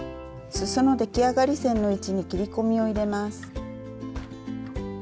すその出来上がり線の位置に切り込みを入れます。